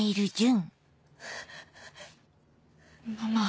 ママ。